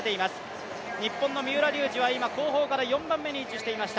日本の三浦龍司は今、後方から４番目に位置していました。